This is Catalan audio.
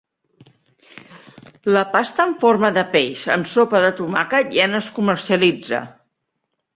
La pasta en forma de peix amb sopa de tomàquet ja no es comercialitza.